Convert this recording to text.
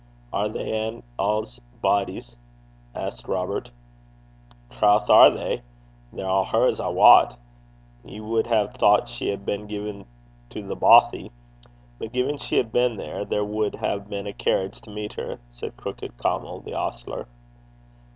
'Are thae a' ae body's?' asked Robert. 'Troth are they. They're a' hers, I wat. Ye wad hae thocht she had been gaein' to The Bothie; but gin she had been that, there wad hae been a cairriage to meet her,' said Crookit Caumill, the ostler.